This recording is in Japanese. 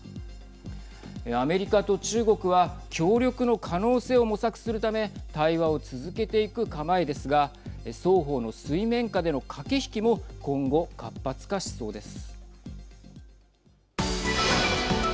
アメリカと中国は協力の可能性を模索するため対話を続けていく構えですが双方の水面下での駆け引きも今後、活発化しそうです。